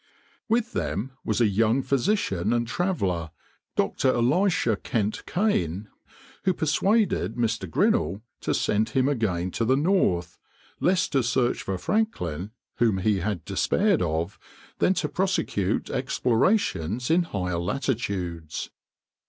With them was a young physician and traveler, Dr. Elisha Kent Kane, who persuaded Mr. Grinnell to send him again to the north, less to search for Franklin, whom he had despaired of, than to prosecute explorations in higher latitudes.